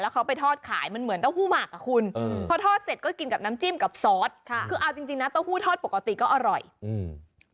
ค่ะคือเอาจริงจริงนะเต้าหู้ทอดปกติก็อร่อยอืม